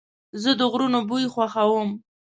زه د غرونو بوی خوښوم.